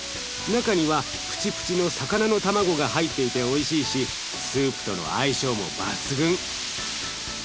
中にはプチプチの魚の卵が入っていておいしいしスープとの相性も抜群。